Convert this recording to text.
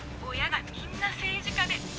親がみんな政治家で。